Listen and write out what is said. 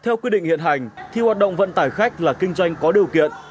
theo quy định hiện hành thì hoạt động vận tải khách là kinh doanh có điều kiện